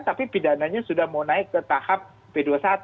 tapi pidananya sudah mau naik ke tahap p dua puluh satu